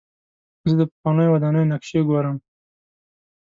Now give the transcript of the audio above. زه د پخوانیو ودانیو نقشې ګورم.